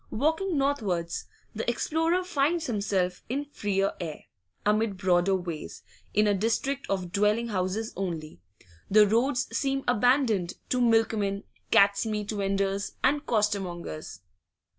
Walking northwards, the explorer finds himself in freer air, amid broader ways, in a district of dwelling houses only; the roads seem abandoned to milkmen, cat's meat vendors, and costermongers.